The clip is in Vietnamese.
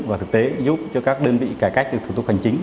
và thực tế giúp cho các đơn vị cải cách được thủ tục hành chính